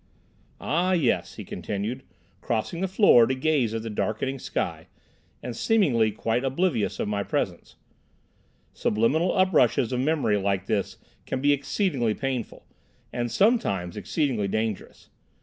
"Ah yes!" he continued, crossing the floor to gaze at the darkening sky, and seemingly quite oblivious of my presence, "subliminal up rushes of memory like this can be exceedingly painful, and sometimes exceedingly dangerous.